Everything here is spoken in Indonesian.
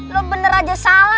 lu bener aja salah